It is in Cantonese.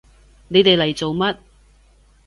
你哋嚟做乜？